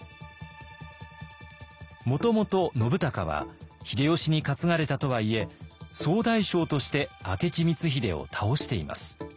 もともと信孝は秀吉に担がれたとはいえ総大将として明智光秀を倒しています。